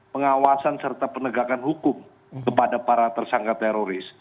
pengawasan serta penegakan hukum kepada para tersangka teroris